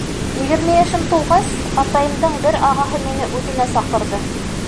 Егерме йәшем тулғас, атайымдың бер ағаһы мине үҙенә саҡырҙы.